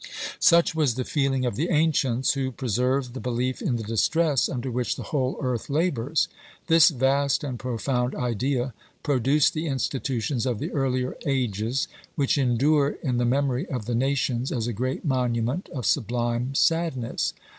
Such was the feeling of the ancients, who preserved the belief in the distress under which the whole earth labours. This vast and profound idea produced the institutions of the earlier ages which endure in the memory of the nations as a great monument of sublime sadness.